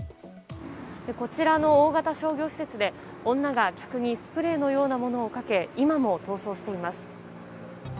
こちらの大型商業施設で女が客にスプレーのようなものをかけ今も逃走しています。